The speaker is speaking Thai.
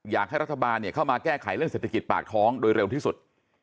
อยากให้รัฐบาลเข้ามาแก้ไขเรื่องเศรษฐกิจปากท้องโดยเร็วที่สุด